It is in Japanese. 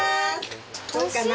どうかな？